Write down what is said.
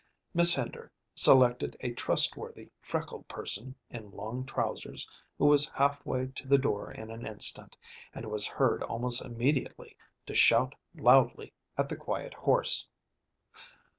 Miss Hender selected a trustworthy freckled person in long trousers, who was half way to the door in an instant, and was heard almost immediately to shout loudly at the quiet horse.